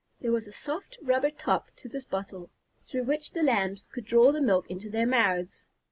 There was a soft rubber top to this bottle, through which the Lambs could draw the milk into their mouths.